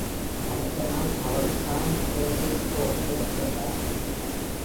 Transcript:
அடுத்த நாள், அவள் சான் ஃப்ரான்ஸிஸ்கோவிற்கு சென்றாள்.